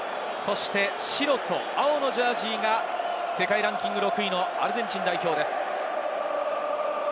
白と青のジャージーが世界ランキング６位のアルゼンチン代表です。